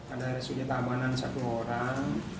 ada rsud keamanan satu orang